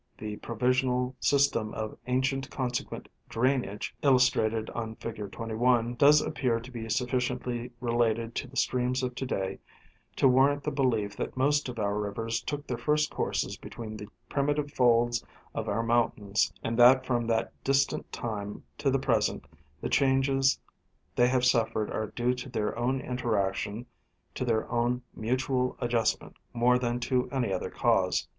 The provisional system of ancient consequent drainage, illustrated on fig. 21, does appear to be sufl!iciently related to the streams of to day to warrant the belief that most of our rivers took their first courses between the primitive folds of our moun tains, and that from that distant time to the present the changes they have suffered are due to their own interaction — to their own mutual adjustment more than to any other cause.